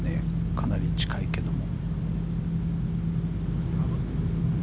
かなり近いけども。